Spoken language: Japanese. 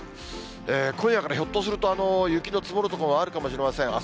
今夜からひょっとすると、雪の積もる所もあるかもしれません。